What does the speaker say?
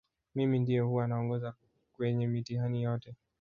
mimi ndiye huwa naongoza kwenye mitihani yote